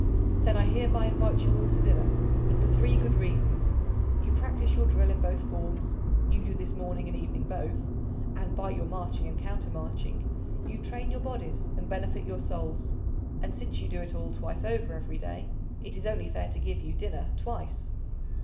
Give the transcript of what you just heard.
"Then I hereby invite you all to dinner, and for three good reasons; you practice your drill in both forms, you do this morning and evening both, and by your marching and counter marching you train your bodies and benefit your souls. And since you do it all twice over every day, it is only fair to give you dinner twice."